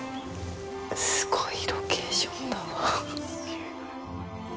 すごいロケーションだ。